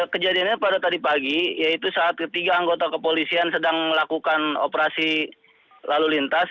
kejadiannya pada tadi pagi yaitu saat ketiga anggota kepolisian sedang melakukan operasi lalu lintas